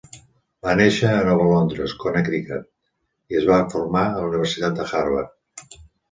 Va néixer a Nova Londres, Connecticut, i es va formar a la Universitat de Harvard.